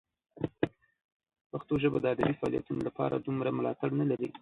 پښتو ژبه د ادبي فعالیتونو لپاره دومره ملاتړ نه لري.